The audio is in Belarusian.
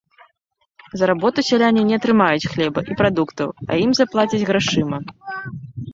За работу сяляне не атрымаюць хлеба і прадуктаў, а ім заплацяць грашыма.